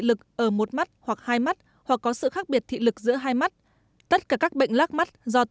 lực ở một mắt hoặc hai mắt hoặc có sự khác biệt thị lực giữa hai mắt tất cả các bệnh lác mắt do